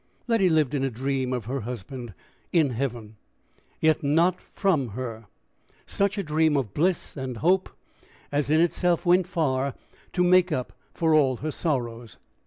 Letty lived in a dream of her husband in heaven, "yet not from her" such a dream of bliss and hope as in itself went far to make up for all her sorrows.